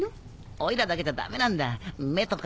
オイラだけじゃダメなんだ目とか。